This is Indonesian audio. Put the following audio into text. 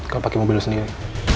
kalau pake mobil lo sendiri